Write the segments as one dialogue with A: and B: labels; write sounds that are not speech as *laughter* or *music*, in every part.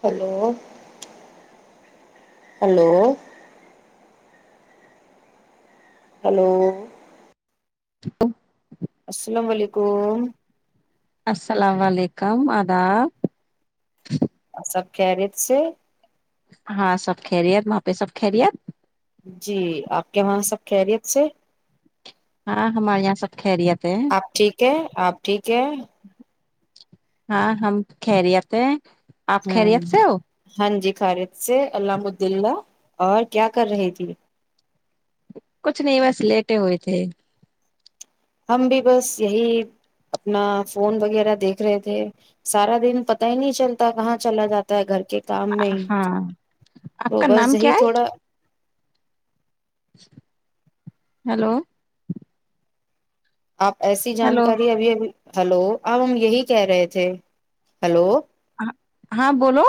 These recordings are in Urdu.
A: ہیلو ہلو ہلو
B: تو *unintelligible*
A: السلام علیکم
B: السلام علیکم ادا
A: سب کیریت سے
B: ہاں سب کہ رہی ہےت وہاں پہ سب کہ رہی ہےت
A: جی آپ کے وہاں سب خیریت سے
B: ہاں ہمارے یہاں سب خریت
A: آپ ٹھیک ہے آپ ٹھیک ہے
B: ہم خیریت ہیں ٹھیک آپ خیریت سے ہو
A: خیرت سے الم الدلہ اور کیا کر رہی تھی
B: کچھ نہیں بس لیٹے ہوئے تھے
A: ہم بھی بس یہی اپنا فون وغیرہ دیکھ رہے تھے سارا دن پتا ہی نہیں چلتا کہاں چلا جاتا ہے گھر ٹھیک ہے کام نہیں
B: ہاں آپ
A: تو
B: کا
A: بس
B: نام
A: یہی تھوڑا
B: ہلو
A: اپ ایسی جانکاری ابھی ہیلو اب ہم یہی کہہ رہے تھے
B: ہاں بولو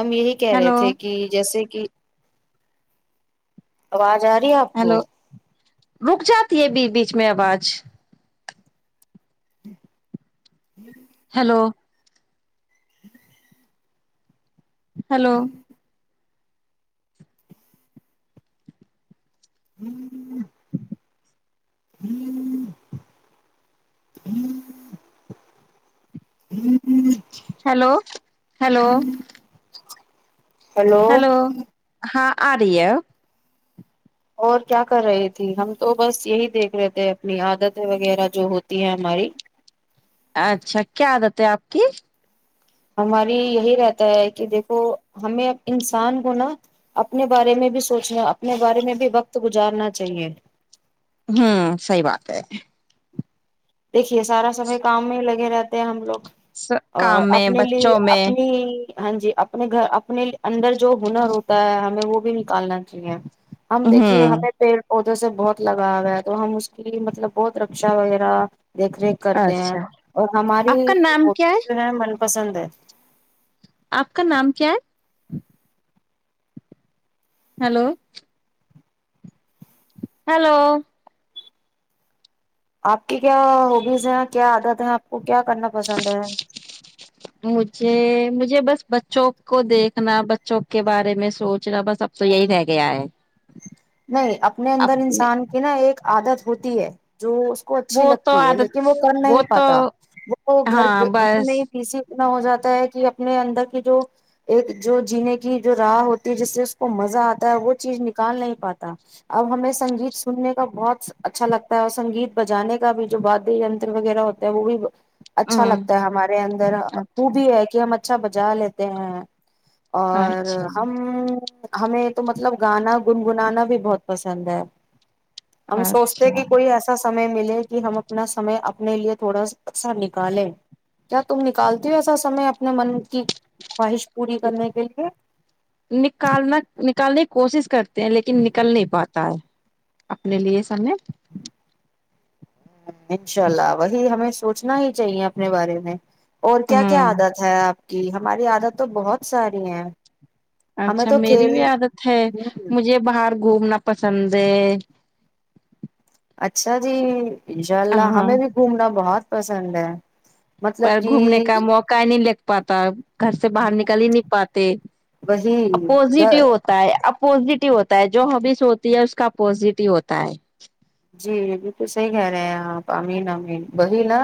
A: امیر کہہ رہے
B: ہیلو
A: تھے کہ جیسے کہ آواز اء رہی *unintelligible*
B: ہیلو رک جاتی ہے بیچ میں اب اج
A: *unintelligible*
B: hello hello
A: *unintelligible* *unintelligible*
B: hello hello
A: hello
B: hello ہاں اڈیو
A: اور کیا کر رہے تھے ہم تو بس یہی دیکھ رہے تھے اپنی عادت وغیرہ جو ہوتی ہے ہماری
B: اچھا کیا بات ہے اپ کی
A: ہماری یہی رہتا ہے کہ دیکھو ہمیں انسان کو نا اپنے بارے میں بھی سوچنا اپنے بارے میں بھی وقت گزارنا چاہیے
B: ہوں سحی بات ہے
A: سارا کام میں لگے رہتے ہم لوگ اور
B: کام میں
A: اپنے لیے
B: بچوں میں
A: اپنی ہاں جی اپنے گھر اپنے اندر جو ہنر ہوتا ہے ہمیں وہ بھی نکالنا چاہیے ہم دیکھیے
B: ہوں
A: ہمیں پیڑ پودوں سے بہت لگاؤ ہے تو ہم اس کی مطلب بہت رکشا وغیرہ دیکھ ریکھ کرتے ہیں
B: اچھا
A: اور ہماری
B: آپ کا نام کیا
A: ہوبیز جو ہے م پسند ہے۔
B: آپ کا نام کیا ہے۔ ہلو۔ ہیلو۔
A: آپ کی کیا ہوبیز ہیں کیا عادت ہیں آپ کو کیا کرنا پسند ہے۔
B: مجھے مجھے بس بچوں کو دیکھنا بچوں کے بارے میں سوچنا بس اب تو یہی رہ گیا ہے۔
A: نہیں اپنے اندر انسان کی نا ایک‌۔ عادت ہوتی ہے۔ جو اس کو اچھی
B: وہ تو
A: لگتی ہے لیکن
B: عادت
A: وہ کر نہیں
B: تو
A: پاتا وہ گھر
B: ہاں
A: گھر
B: بس
A: نہیں پیسی۔ اتنا ہو جاتا ہے کہ اپنے اندر کی جو ایک جو جینے کی جو راہ ہوتی ہے جس سے اس کو مزہ آتا ہے وہ چیز نکال نہیں پاتی۔ اب ہمیں سنگیت سننے کا بہت اچھا لگتا ہے اور سنگیت بجانے کا بھی جو وادینتر وغیرہ ہوتے ہے وہ بھی۔ اچھا
B: ہوں
A: لگتا ہے ہمارے اندر وہ
B: اچھا
A: بھی ہے کہ ہم اچھا بجا لیتے ہیں۔ اور
B: اچھا
A: ہم۔ ہمیں تو مطلب گانا گنگنانا۔ بھی بہت پسند ہے۔ ہم سوچتے ہیں
B: اچھا
A: کہ کوئی ایسا۔ سمیں ملے کہ ہم اپنا سمے اپنے لیے تھوڑا سا اکثر نکالیں کیا تم نکالتے ہو ایسا سمے۔ اپنے من کی خواہش پوری کرنے کے لیے۔
B: نکالنا نکالنے کی کوشش کر۔ تے ہے لیکن نکل نہیں پاتا ہے۔ اپنے لیے سمے۔
A: انشاء اللہ وہی ہمیں سوچنا ہی چاہیے اپنے بارے میں۔ اور کیا کیا
B: ہوں
A: عادت ہے آپ۔ جی ہماری عادت تو بہت ساری ہیں۔ ہمیں
B: اچھا
A: تو
B: میری بھی
A: کھیل
B: عادت ہے
A: ہ
B: مجھے باہر گھومنا۔ پسند ہے‌۔
A: اچھا جی۔ انشاء اللہ ہمیں بھی گھومنا بہت۔ پسند ہے۔ مطلب
B: پر گھومنے کا
A: کہ
B: موقع ہی نہیں لگ پاتا گھر سے باہر نکل ہی نہیں پاتے
A: وہی
B: اپوزٹ ہی ہوتا ہے اپوزٹ۔ ہی ہوتا ہے جو ہبیز ہوتی ہے اس کا پزیٹیو ہوتا ہے۔
A: جی یہ بالکل صحیح کہہ رہے ہیں آپ امین امین وہی نا۔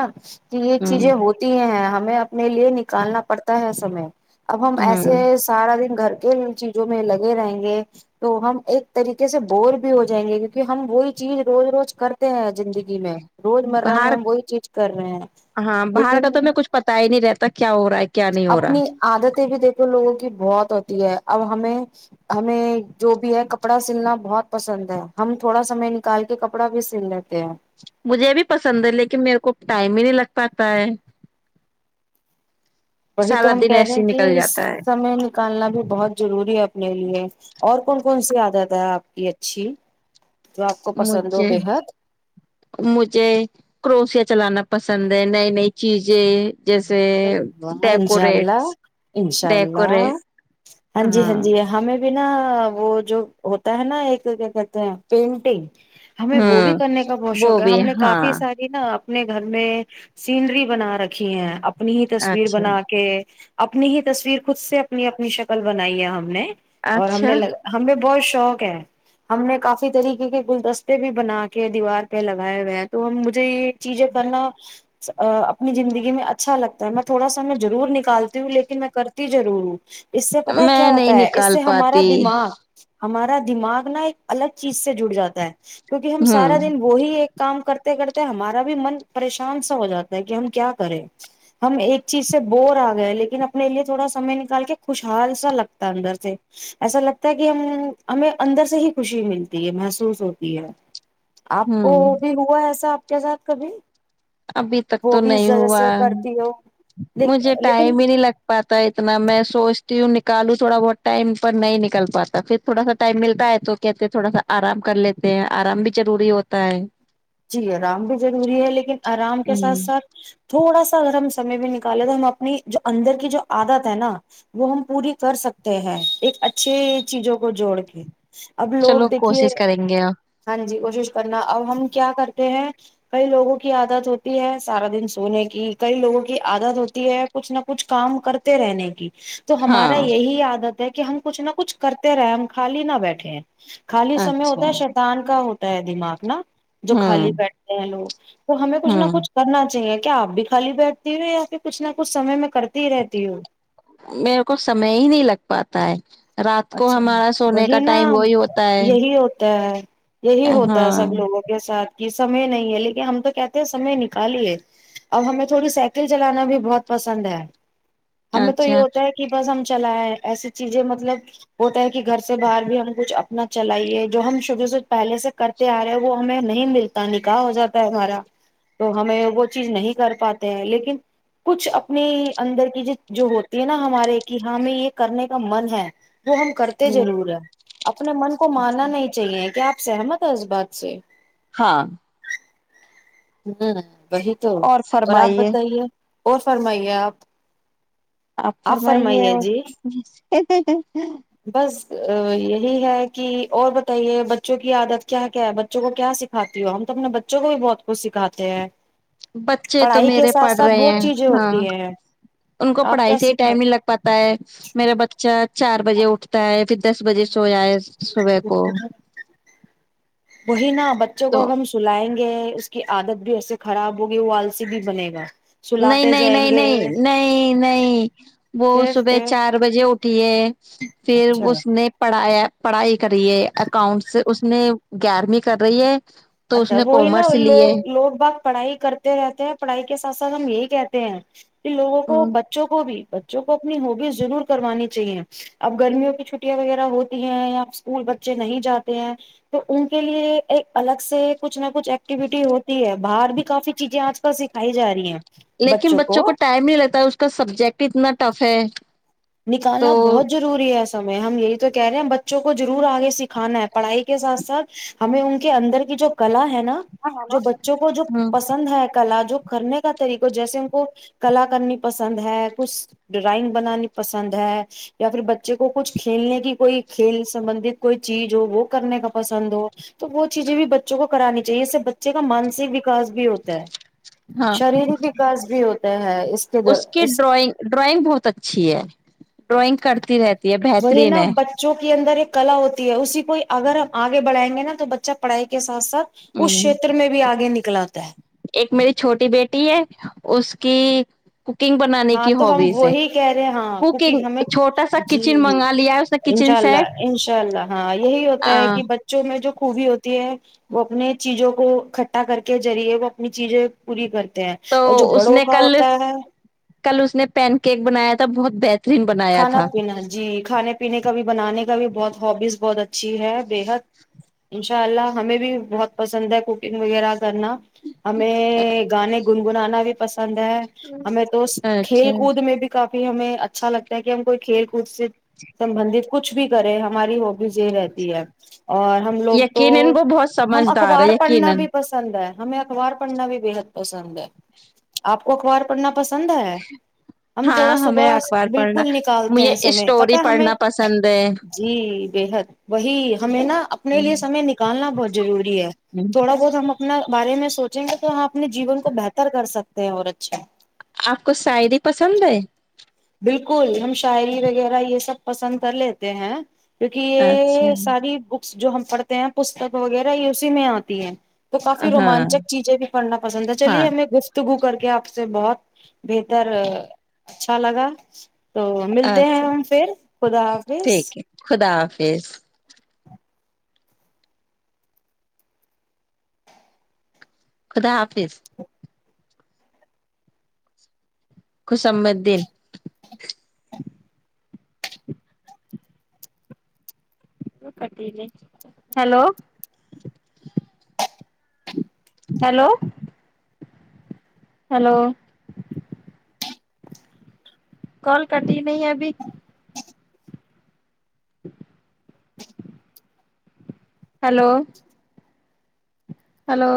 A: کہ یہ چیزیں
B: ہوں
A: ہوتی ہیں۔ ہمیں اپنے لیے نکالنا پڑتا ہے سمے۔ اب ہم
B: ہوں
A: ایسے سارا دن۔ گھر کے چیزوں میں لگے رہیں گے تو ہم ایک طریقے سے بور بھی ہو جائیں گے کیونکہ ہم وہی چیز۔ روز روز کرتے ہیں زندگی میں۔ روزمرہ میں
B: باہر
A: ہم وہی چیز کر رہے ہیں
B: ہاں باہر
A: لیکن
B: کا تو میں کچھ پتا ہی نہیں رہتا کیا ہو رہا ہے کیا نہیں ہو رہا
A: اپنی عادتیں بھی دیکھو لوگوں کی بہت ہوتی اب ہمیں ہمیں جو بھی ہے کپڑا سلنا بہت پسند ہے ہم تھوڑا سمے نکال کے کپڑا بھی سل لیتے ہیں
B: مجھے بھی پسند ہے لیکن میرے کو ٹائم ہی نہیں لگ پاتا ہے
A: وہی
B: سارا
A: تو ہم
B: دن
A: کہہ رہے
B: ایسے
A: ہیں
B: ہی
A: کہ
B: نکل جاتا ہے
A: سمے نکالنا بھی بہت ضروری ہے اپنے لیے اور کون کون سی آتی دادا آپ کی اچھی جو آپ کو پسند ہو
B: مجھے
A: بےحد
B: مجھے کروسیا چلانا پسند سند ہے نئی نئی چیز ج جیسے
A: ارے واہ انشاء
B: ڈیکورٹ
A: اللہ انشاء
B: ڈیکور
A: اللہ
B: ہاں
A: ن وہ جو ہوتا ہے نا ایک کیا کہتے ہیں پینٹنگ ہمیں وہ
B: ہوں
A: بھی کرنے کا بہت شوق
B: وہ
A: ہے
B: بھی
A: ہم نے
B: ہاں
A: کافی ساری نا اپنے گھر میں سینری بنا رکھ رکھی ہیں اپنی ہی تصویر
B: اچھا
A: بنا کے اپنی ہی تصویر خود سے اپنی اپنی شکل بنائی ہے ہم نے اور ہم
B: اچھا
A: نے لگ ہم نے بہت شوق ہے ہم نے کافی طریقے کے گلدستے بھی بنا کے دیوار پہ لگائے ہوئے ہیں تو ہم مجھے یہ چیزیں کرنا اپنی زندگی اچھا لگتا ہے میں تھوڑا سا میں ضرور نکالتی ہوں لیکن میں کرتیضرور ہوں اس سے پتا ہے کیا
B: میں نہیں
A: ہوتا ہے اس
B: نکال
A: سے ہمارا
B: پاتی
A: دماغ ہمارا دماغ نا ایک الگ چیز سے جڑ جاتا ہے کیونکہ ہم سارا
B: ہوں
A: دن وہی ایک کام کرتے کرتے ہمارا بھی من پریشان سا ہو جاتا ہے کہ ہم کیا کرے ہم ایک چیز سے بور آ گئے لیکن اپنے لیے تھوڑا سمے نکال کے خوشحال سا لگتا ہے اندر سے ایسا لگتا ہے کہ ہم ہمیں اندر سے ہی خوشی ملتی ہے محسوس ہوتی ہے آپ کو
B: ہوں
A: بھی ہوا ایسا کے ساتھ کبھی
B: ابھی تک تو
A: وہ بھی اس
B: نہیں
A: وجہ
B: ہو
A: سے کرتی ہو
B: مجھے
A: لیکن
B: ٹائم ہی نہیں لگ پاتا اتنا میں سوچ سچتی نکالوں تھوڑا بہت ٹائم پر نہیں نکل پاتا پھر تھوڑا سا ٹائم ملتا ہے تو کہتے تھوڑا سا آرام کر لیتے ہیں آرام بھی ضروری ہوتا ہے
A: جی آرام بھی ضروری ہے لیکن آرام کے ساتھ
B: ہوں
A: ساتھ تھوڑا سا اگر ہم سمے بھی نکالیں تو ہم اپنی اندر کی جو عادت ہے نا وہ ہم پوری کر سکتے ہیں ایک اچھی چیزوں کو جوڑ کے اب لوگ
B: چلو
A: دیکھیے
B: کوشش کریں گے آپ۔
A: ہاں جی کوشش کرنا اب ہم کیا کرتے ہیں کئی لوگوں کی عادت ہوتی ہے سارا دن سونے کی کئی لوگوں کی عادت ہوتی ہے کچھ نہ کچھ کام کرتے رہنے کی تو ہمارا
B: ہاں
A: یہی عادت ہے کہ کہ ہم کچھ نہ کچھ کرتے رہے ہم خالی نہ بیٹھے ہیں خالی سمے
B: اچھا
A: ہوتا ہے شدان کا ہوتا ہے دماغ نا جو خالی
B: ہوں
A: بیٹھتے ہیں لوگ تو ہمیں کچھ نہ
B: ہوں
A: کچھ کرنا چاہیے کیا آپ بھی خالی بیٹھتی ہو یا پھر کچھ نہ کچھ سمے میں کرتی ہی رہتی ہ
B: میرے کو سمے ہی نہیں لگ پاتا ہے رات کو
A: اچھا
B: ہمارا سونے
A: وہی
B: کا
A: نا
B: ٹائم وہی ہوتا ہے
A: یہی ہوتا ہے یہی ہوتا ہے
B: ہاں
A: سب لوگوں کے ساتھ یہ سمے نہیں ہے لیکن ہم تو کہتے ہیں سمے نکالیے ا ہمیں تھوڑی سائیکل چلانا بھی بہت پسند ہے ہمیں تو یہ
B: اچھا
A: ہوتا ہے کہ بس ہم چلا ہے ایسی چیزیں مطلب ہوتا ہے کہ گھر سے باہر بھی ہم کچھ اپنا چلائیے جو ہم شروع سے پہلے سے کرتے آ رہے وہ ہمیں نہیں ملتا نکاح ہو جاتا ہے ہمارا تو ہمیں وہ چیز نہیں کر پاتے ہیں لیکن کچھ اپنے اندر کی جو جو ہوتی ہے نا ہمارے کہ ہمیں یہ کرنے کا من ہے وہ ہم کرتے
B: ہوں
A: ضرور ہے اپنے من کو ماننا نہیں چاہیے کہ آپ سہمت تھا اس بات سے
B: ہاں
A: ہوں وہی تو اور آپ بتائیے اور فرمائیے آپ
B: آپ فرمائیے اور
A: ا یہی ہے کہ اور بتائیے بچوں کی عادت کیا کیا ہے بچوں کو کیا سکھاتی ہو ہم تو اپنے بچوں کو بھی بہت کو سکھاتے ہیں
B: بچے تو
A: پڑھائی کے
B: میرے
A: ساتھ
B: پڑھ
A: ساتھ
B: رہے
A: بہت
B: ہیں
A: چیزیں
B: ہاں
A: ہوتی ہیں
B: ان کو
A: آپ
B: پڑھائی
A: کیا
B: سے ہی ٹائم نہیں
A: سکھا
B: لگ پاتا ہے میرا بچہ چار بجے اٹھتا ہے پھر دس بجے سو جائے صبح کو
A: بوہ نا بچوں کو ا
B: تو
A: ہم سلائیں گے کہ اس کی عادت بھی ایسے خراب ہوگی وہ آلسی بھی بنے گا
B: نہیں
A: سلاتے
B: نہیں
A: جائیں
B: نہیں
A: گے
B: نہیں نہیں نہیں وہ
A: پھر
B: صبح
A: پھر
B: چار بجے اٹ ھ ے پھر
A: اچھا
B: اس نے پڑھایا پڑھائی کری ہے اکاؤنٹ سے اس میں گیارہویں کر رہی ہے تو اس
A: اچھا
B: نے
A: وہی نا
B: کامرس لی ہے
A: لوگ لوگ باگ پڑھائی کرتے رہتے ہیں پڑھائی کے ساتھ ساتھ ہم یہی کہتے ہیں لوگوں کو
B: ہوں
A: بچوں کو بھی بچوں کو اپنی ہوبیز ضرور کروانی چاہیے اب گرمیوں کی چھٹیاں وغیرہ ہوتی ہیں یا اسکول بچے نہیں جاتے ہیں تو ان کے لیے ایک الگ۔ سے کچھ نہ۔ کچھ ایکٹیویٹی ہوتی ہے۔ باہر بھی کافی چیزیں آج کل سکھائی ج رہی ہیں۔
B: لیکن بچوں کو ٹائم نہیں لگتا اس کا سبجیکٹ اتنا۔ ٹف ہے۔ تو
A: نکالنا بہت ضروری ہے۔ ہم یہی تو کہہ رہے ہیں ہم بچوں کو ضرور آگے سکھانا ہے پڑھائی کے ساتھ سات ہمیں ان کے اندر کی جو کلا ہے۔ نا جو بچوں کو جو
B: ہ
A: پسند ہے کلا جو۔ کرنے کا طریقہ جیسے ہم کو کلا کرنی پسند ہے کچھ ڈرائنگ بنانی۔ پسند ہے یا پھر بچے کو کچھ کھیلنے کی کوئی کھیل سبندت کوئی چیز ہو وہ کرنے کا پسند ہو تو وہ چیزیں بھی بچوں کو کرانی چاہیے اس سے بچے کا مانسک وکاس بھی ہوتا ہے۔
B: ہاں
A: شاریرک وکاس بھی ہوتا ہے کے
B: اس کی ڈرائنگ ڈرائنگ بہت اچھی ہے۔ ڈرائنگ کرتی رہتی۔ ہے
A: وہی
B: بہترین
A: نا
B: ہے
A: بچوں کے اندر ایک۔ کلا ہوتی ہے اسی کو اگر ہم آگے بڑائیں گے نا تو بچہ پڑھائی کے۔ ساتھ ساتھ اس
B: یوہ
A: شیتر میں بھی آگے نکلاتا ہے
B: ایک میری چھوٹی بیٹی ہے اس کی۔ *inaudible* بنانے
A: ہاں
B: کی
A: تو ہم
B: ہابیز ہے
A: وہی کہہ رہے ہاں کوکنگ ہمیں
B: چھوٹا سا
A: جی
B: کچن منگا لیا ہے اس نے کچن
A: انشاء اللہ
B: سیٹ
A: انشاء اللہ ہاں یہی ہوتا ہے کہ بچوں میں جو۔ خوبی ہوتی ہے وہ اپنے چیزوں کو اکٹھا کر کے ذریعے وہ اپنی چیزیں پوری کر۔
B: تو
A: اور جو
B: اس
A: بڑوں
B: نے
A: کا
B: کل
A: ہوتا ہے۔
B: کل اس نے پین کیک بنایا تھا بہت بیسٹ۔
A: کھانا پینا جی کھانے پینے کا بھی بنانے۔ بھی بہت ہابیز بہت اچھی ہے بےحد انشاء اللہ ہمیں بھی بہت پسند ہے کوکنگ وغیرہ۔ کرنا ہمیں گانے۔ گنگنا بھی پسند ہے۔ پسند ہے ہمیں تو کھیل
B: اچھا
A: کود میں بھی کافی۔ ہمیں اچھا لگتا۔ تا کہ ہم کوی کھیل۔ سے سبندھت کچھ بھی کرے ہماری۔ جے رہتی ہے اور ہم لوگ تو
B: یقینا وہ بہت
A: ہم
B: سمجھدار ہے
A: اخبار پڑھنا
B: یقینا
A: بھی پسند ہے۔ ہمیں اخبار پڑھنا بھی بےحد پسند ہے آپ کو اخبار پڑھنا۔ پسند ہے ہم
B: ہاں
A: تھوڑا
B: ہمیں
A: صبح
B: اخبار
A: بالکل۔
B: پڑھنا
A: نکالتے
B: مجھے
A: ہیں سمے پتہ
B: اسٹوری پڑھنا پسند ہے۔
A: بے حد وہی ہمیں نا اپنے لیے سمے نکالنا بہت ضروری ہے تھوڑا بہت ہم اپنا بارے میں سوچیں گے تو ہم اپنے جیون کو بہتر کر سکتے ہیں اور اچھا
B: آپ کو شاعری پسند ہے
A: بالکل ہم شاعری وغیرہ یہ سب پسند کر لیتے ہیں کیونکہ یہ
B: اچھا
A: ساری جو ہم پڑھتے ہیں پستک وغیرہ یہ اسی میں آتی ہے تو کافی
B: ہاں
A: روومانچک چیزیں بھی کرنا پسند ہے
B: ہاں
A: چلیے ہمیں گفتگو کر کے آپ سے بہت بہترچ سالگا تو ملتے ہیں
B: اچھا
A: ہم پھر خدا حافظ
B: ٹھیک ہے خدا حافظ خدا حافظ خسمدین ہلو ہیلو ہیلو کال کرتی نہیں ابھی *inaudible* ہلو ہلو